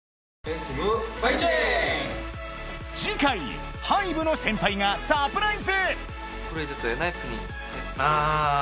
次回 ＨＹＢＥ の先輩がサプライズ